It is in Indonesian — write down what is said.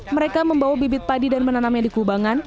mereka membawa bibit padi dan menanamnya di kubangan